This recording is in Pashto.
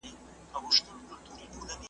نور یې « آیة » بولي زه یې بولم «مُنانۍ»`